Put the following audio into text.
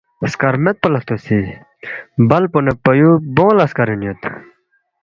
سکرمیدپو ہلتوسی بل نہ پایو بونگ لا سکرین یود